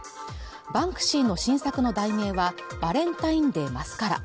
バンクシーの新作の題名は「バレンタインデー・マスカラ」